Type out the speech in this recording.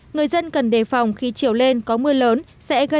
người dân cần đề phòng khi chiều lên có mưa lớn sẽ gây ngập lụt kéo dài